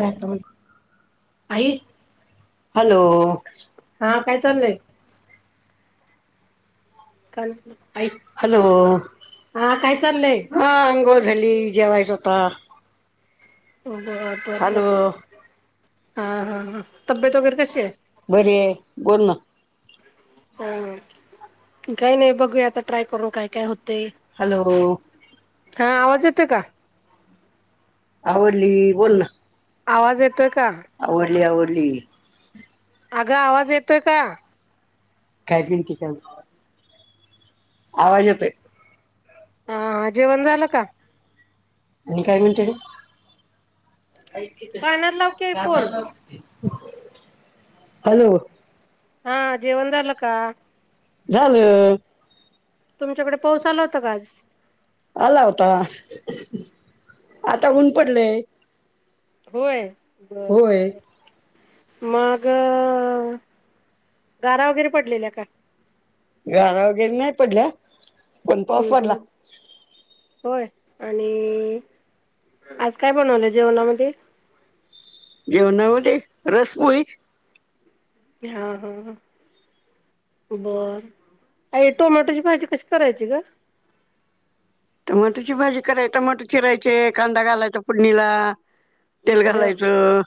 राहतं बाई आई. हॅलो? हां काय चाललंय? [unintelligible] हॅलो? [unintelligible] हा काय चाललंय हां हा अंघोळ आंघोळ झाली जेवायचं आता. [inaudible] हा. हा. हा. तब्येत वगैर कधी हाय. बरी आहे बोल ना हम काही नाही. बघूया आता ट्राय करू काय-काय होत. ते हॅलो हा आवाज येतो का? आवडली बोल ना. आवाज येतोय? का आवडली- आवडली. अगं आवाज येतोय का काय [unintelligible] आवाज येतोय. हा जेवण झालं का? आणि काय म्हणते रे. कानाला लाव की आई फोन हॅलो. हा जेवन झाल का.? झालं. तुमच्याकडे पाऊस आला होता का आज आला होता. आता ऊन पडलंय. होय बरं. बर. होय बर. मग गारा वगैरे पडलेल्या का? गरा वगैरे नाही पडल्या. पण पाऊस हम्म पडला. हम्म होय आणि आज काय बनवलं जेवणामध्ये? जेवमध्ये. रसपोळी. हा. हा. बर आय टोमॅटोची भाजी कशी करायची ग? टमाटोची भाजी कराय टमाटो चिरायचे. कांदा घालायचा फोडणीला तेल बर हम्म घालायचं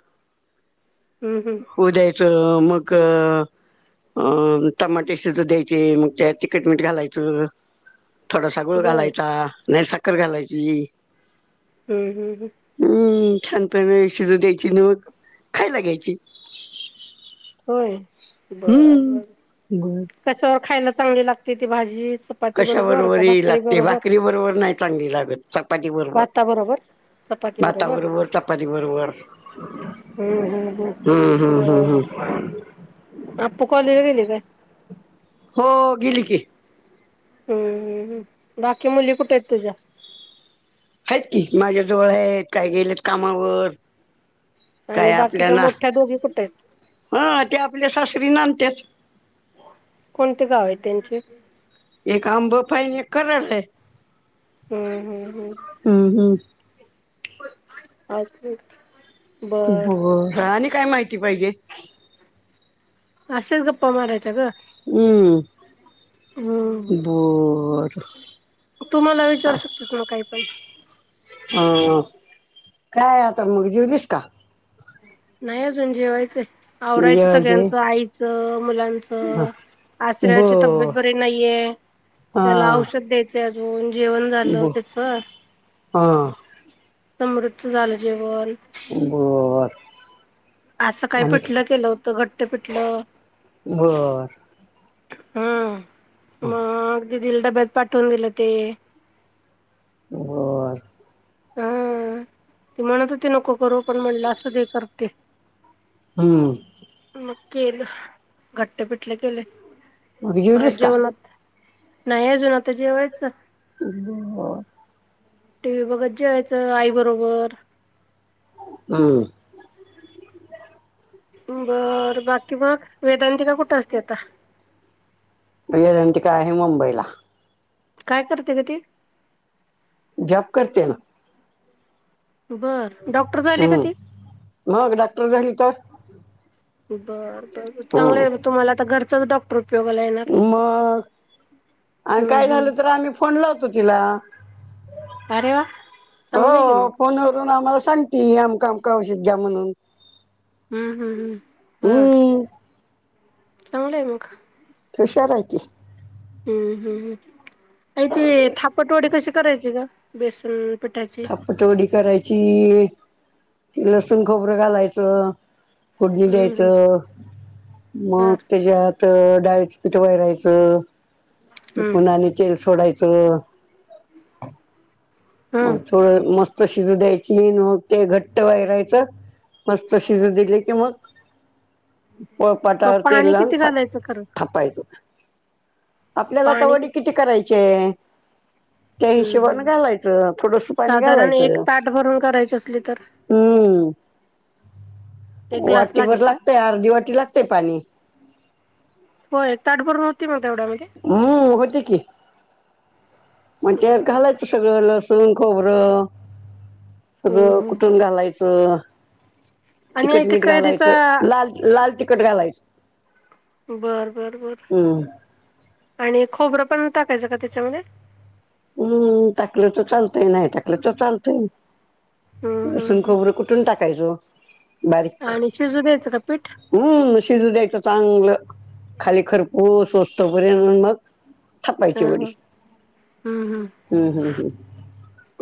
हम्म उध्यायचं. नमक. अं टमाटे सुद्धा द्यायचे, मग त्यात तिखटमीठ घालायचं. थोडा सा गुळ बर घालायचा. नाही साखर घालायची. हम्म. हम्म. हम्म. हम्म छानपणे शिजू द्यायची न मग खायला घ्यायची. होय. हम्म बर-बर बर कशावर खायला चांगली लागते ती भाजी. चपाती कशा बरोबर का ही भाकरी लागते. बरोबर? भाकरी बरोबर नाही चांगली लागत चपाती बरोबर भाता बरोबर. चपाती भाता बरोबर चपाती बरोबर हम्. हम्. हम्म ह हम्म हम्म बर. हम्म अप्पू कॉलेज गेले काय? हो गेली की. हम्म बाकी मुली कुठे आहेत तुझ्या? आहेत की. माझ्या जवळ आहेत. काही गेलेत कामावर. काय आणि आपल्या बाकीच्या ना मोठ्या दोघी कुठे आहेत? हं ते आपल्या सासरी नानंत्यात कोणते गाव हाय त्यांचे? एक [unintelligible] एक कराड लाय. हम्म हम्म हम्म असुदेत बर आणि काय माहिती पाहिजे? आशेच गप्पा मारायच्या गं. हम्म बरं. तु मला विचारू शकतेस ना कायपण. अं काय आता मग जेवलीस का? नाही अजून जेवाय चाय आवरायचं जेवायचे सगळ्याचं आईचं, बर मुलाचं आश्रयाची तब्येत बरी नाइ याय त्याला हा औषध द्यायचे अजून जऊन जेवणं झालं व ब तेचं हा समृतचं झालं जेवण. बरं. आज सकाळी पिठलं केल होत घट्ट पिठलं बरं हम्म मग दीदील डब्यात पाठवून दिलं ते बरं हम्म ती म्हणत हुती नको करू पण म्हणलं असू दे करते. हम्म. केल घट्ट पिठलं केलय मग जेवलीस का? नाइ अजून आता जेवायचं. [inaudible] टी व्ही बघत जेवायचं आई बरोबर. हम्म. बर बाकी मग वेदांतीका कुठं असती आता? वेदांतीका आहे मुंबईला काय करते गं ती? जॉब करते ना. बर डॉक्टर झाली का ती? हम्म मग डॉक्टर झाली तर बर बर म चांगलाय हम्म तुम्हाला आता घरचाचं डॉक्टर उपयोगाला येणार. मग आणि हम्म काय हम्म झालं तर आम्ही फोन लावतो तिला. अरे वा हो चांगलं आहे की मग फोनवरून आम्हाला स सांगती आमकं आमकं औषध घ्या म्हणून. हम्म हम्म हम्म. ह्म्म्म. चांगलाय मग. [unintelligible] हाय ती. हम्म ह्म्म्म [unintelligible] ती थापटवडी कशी करायची गं? बेसन पिठाची थापटवडी करायची लसूण, खोबरं घालायचं फोढणी हम्म हम्म दयायचं मग बर तेज्या त त डाळीचं पीठ वैरायचं हम्म पुन्हा आणि तेल सोडायचं मग हम्म थोडं मस्त शिजू दयायची मग ते घट्ट वैरायचं मस्त शिजू दिलं की मग मग पोळपाटावर तेल पाणी लावून किती थाप घालायचं खरं थापायचत. आपल्याला आता वडी किती करायचीयाय? त्या हम्म हिशोभानं हम्म घालाय किंवा थोडसं पाणी साधारण एक घालायचं ताट भरून करायची असली तर हम्म एक ग्लास वाटीभर लागेल का लागतय अर्धी वाटी लागतय पाणी. व्हय ताटभरून होती मग तेवढ्यामध्ये हम्, होते की. म्हणल घालायचं सगळं लसूण खोबरं हम्म सगळं हम्म कुटून घालायचं आणि ते तिखट-मीठ कैरीचा घालायचं, लाल-लाल तिखट घालायचं. बर, बर, बर हम्म आणि खोबरं पण टाकायचं का त्याच्यामध्ये? हम्म, टाकलं तर चालतय, नाय टाकलं तर चालतय. हम्म हम्म लसूण हम्म खोबरं कुटून टाकायचं. बारीक आणि शिजू द्यायचं का पीठ हम्म शिजू द्यायचं चांगलं. खाली खरपूस मस् तोपर्यंत मग ह थापायची वडी. ह हम्म हम् हम्म हम्म हम्म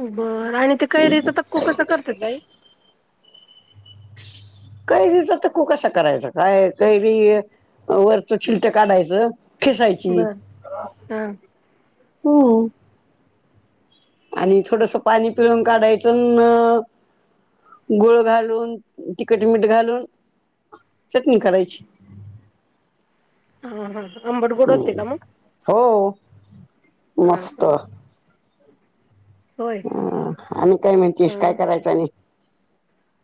उ बर. ते कैरीचा तक्कू कसा करतात ग आई? कैरीचा तक्कू कसा करायचा? काय कैरी वरचं छिलट काढायचं. खिसायची बर हा. हम्म. आणि थोडस पाणी पिळून काढायचं न गुळ घालून तिखट मीठ घालून चटणी करायची. हा हा. आंबट-गोड होत हम्म. का मग? हो हा हा मस्त हम. हम्म आणि काय म्हणतीस काय ह करायचं आणि?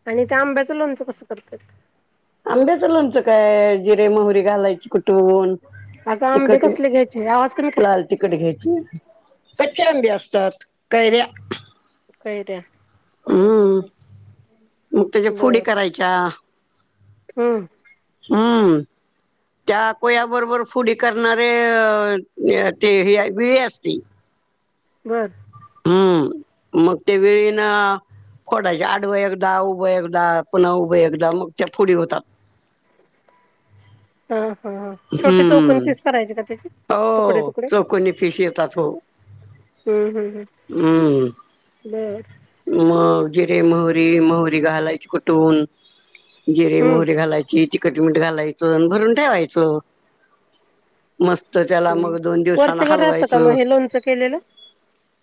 आणि त्या आंब्याचं लोणचं कसं करतात? आंब्याचं लोणचं काय जिरे, मोहरी घालायची कु टून. अगं आंबे तिखट, कसले घ्यायचे आवाज कमी कर लाल तिखट घ्यायची. कच्चे आंबे असतात. कैऱ्या कैऱ्या हम्म. मग त्याच्या फोडी करायच्या. हम्. हम्म. त्या कोयाबरोबर फोडी करणारे जे ते हे आय विळी असती. घर हम्म मग त्या विळी ना. फोडायची. आडव एकदा. उभं एकदा. पुन्हा उभं एकदा. मग त्या ‌ फोडी होतात. [unintelligible] हा. हा. छोटे चौकोनी हम्म पीस करायचे का त्याचे? हो तुकडे-तुकडे. चौकोनी फिश येतात हो हम्म. हम्म. हम्म हम्म. बर मग. जिरे मोहरी-मोहरी घालायची कुटून. जिरे हम्म मोहरी घालायची. तिखट-मीठ घालायचं आणि भरून ठेवायचं. मस्त त्याला हम्म मग दोन दिवसान वर्षभर राहतं का मग हालवायचं. हे लोणचं केलेलं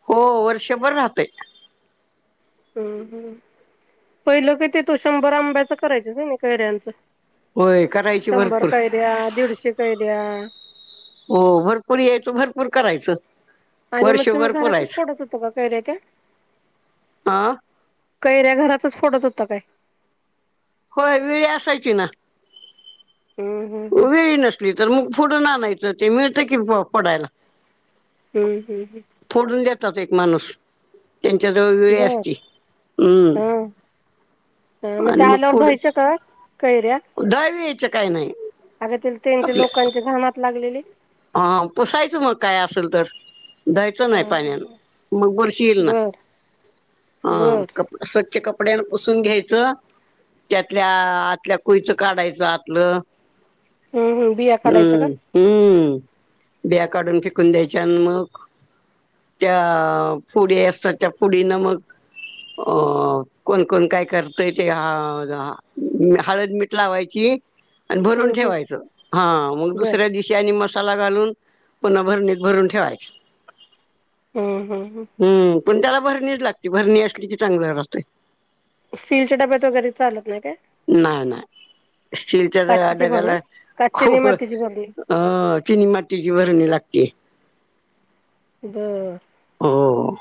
हो वर्षभर राहतय. हम्म. हम्. पहिलं किती तू शंभर आंब्याचं करायच. ना कैऱ्यांचं. होय करायची शंभर भरपूर कैऱ्या. दीडशे काय कैऱ्या. हो भरपूर यायचं. भरपूर करायचं. आणि मग तुम्ही वर्षभर घरातच पुरायचं फोडत होता का कैऱ्या त्या? हा कैऱ्या घरातच फोडत होता काय? होय विळी असायची ना. हम्म हम्म हम्म वेळी नसली तर मग फोडूनआणायचं. ते मिळते की फोडायला. हम्म. हम्म. हम्म. एक माणूस त्यांच्या जवळ हम्म वेळी बर असती हम्. हा हा आणि त्या मग आल्यावर पुढ धुवायच्या का दावी यायच काय नाही. अग त्याला त्यांच्या आपल्या लोकांचे घाण हात लागलेले. हा पुसायचं मग काय असेल तर. धुवायचं हा नाही हा पाण्याने मग बुरशी येईल ना. बर बर ते कपड्यान पुसून घ्यायचं. त्यातल्या आतल्या कोईच काढायचं आतलं. हम्म हम्म बिया काढायच्या का? हम्म हम्म. ब्या काढून फिकून द्यायच्या आणि मग त्या पुढ असतात त्या पुडी ना मग अ कोण कोण काय करतोय ते ह द मी हळद मिठ लावायची. भरून हम्म हम्म ठेवायच हा मग बर दुसऱ्या दिवशी आणि मसाला घालून पुन्हा भरणीत भरून ठेवायच. हम्म हम्म हम्. हम्म पण त्याला भरणीच लागते भरणी असली की चांगलं राहतंय. स्टीलच्या डब्यात वगैरे चालत नाही काय? [inaudible] नाही नाही स्टीलच्या ड काचेची भरणी डब्याला काचेची आणि खूप अ मातीची भरणी चिनी मातीची बरणी लागते. बर. हो.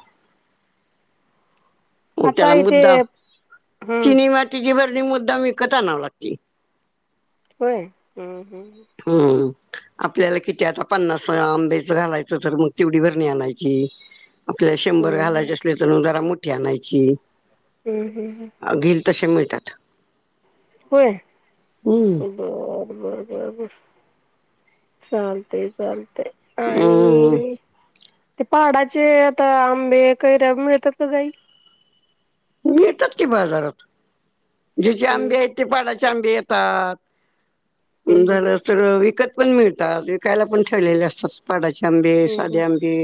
म आता त्याला इथे मुद्दा हम्म चिनी मातीची ब ती मुद्दाम विकत आणावी लागती. होय हम. हम. आपल्याला किती आता पन्नास अ आंबेच घालायचं तर मग तेवडी बरणी आणायची. आपल्याला शंभर हम्म हम्म घालायचे असले तर म जरा मोठी आणायची. हम्म हम्म हम्. घेईल तसे मिळतात. होय हम्म. बरं. बर बर बर चालते चालत. ते हम्म आणि ते पहाडाचे आता आंबे कैऱ्या मिळतात का ग आई? मिळतात कि बाजारात ज्याचे हम्म आंबे आहेत ते पाडाचे आंबे येतात हम्म झालं तर पण मिळतात विकायला पण ठेवलेले असतात. आंबे हम्म साधे आंबे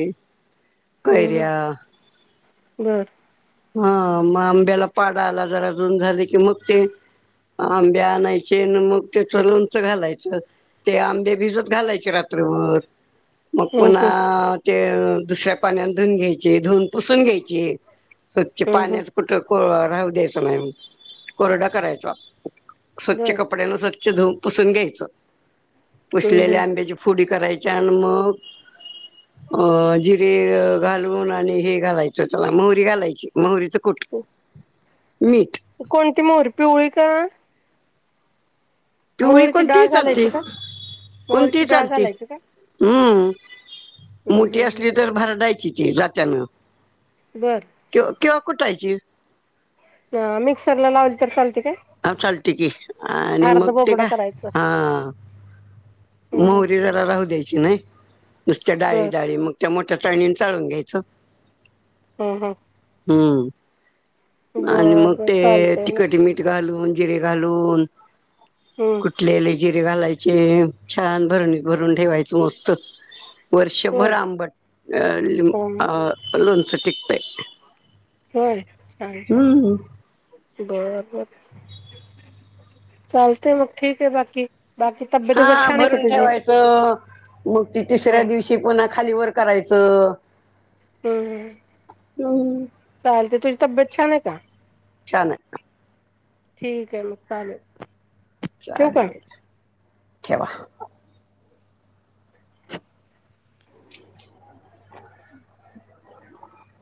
हम्म कैऱ्या हम्म बर हा मग आंब्याला पाड आला जरा जून झाले की मग ते आंबे आणायचे आणि मग त्याच लोणचं घालायचं. ते आंबे भिजत घालायचे रात्रभर. मग हम्म हम्म पुन्हा ते दुसऱ्या पाण्या धुून घ्यायचे धून पुसून घ्यायची स्वछ हम्म पाण्यात कुठ राहू द्यायचं नाही. कोरडा करायचा हम्म स्वच्छ बर कपड्यानं स्वच्छ धुन पुसून घ्यायचं. हम्म पुसलेल्या हम्म आंब्याची फुडी करायची आणि मग अ जिरे घालून आणि हे घालायचं चला मोहरी घालायची. मोहरीचं कुट मीठ कोणती मोहरी पिवळी का? पिवळी मोहरीची कोणती डाळ चालते घालायची का कोणती मोहरीची डाळ चालती घालायची का हम्म. हम्म मोठी हम्म असली हम्म तर भरडायची ती जात्यान. बर. किंवा कुठायची. ह मिक्सरला लावली तर चालते काय अ चालते की आणि अर्ध मग ते बोबडा का करायचं हा... हम्म हम्म मोहरी जरा राहू द्यायची नाही. नुसत्या डाळी बर डाळी मग त्या मोठ्या. चाळणीने चाळून घ्यायचं. हम्. हम. हम्म आणि मग बर ते चालतय मग तीखटी मीठ घालून. जिरे घालून. हम्म कुलेले जिरे घालायचे छान भरणी भरून. भरून ठेवायच मस्त वर्षभर होय आंबट अं उम हम्म अं लोणचं टीकतंय. आहे छान बरं. चालतय मग ठीक आहे बाकी. बाकी तब्येत वगैरे हा छान आहे का भरून तुझी ठेवायचं मग त तिसऱ्या हम्म दिवशी पुन्हा खाली वर करायचं. हम् हम्म. चालते तुझी तब्येत छान आहे का? छान हाय. ठीक आहे मग चालेल. ठेवू का चालेल ठेवा.